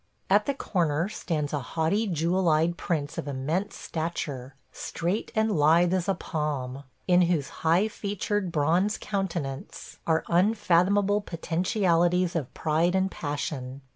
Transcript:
... At the corner stands a haughty jewel eyed prince of immense stature – straight and lithe as a palm – in whose high featured bronze countenance are unfathomable potentialities of pride and passion.